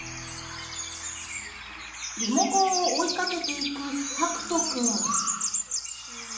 リモコンを追いかけていくはくとくん。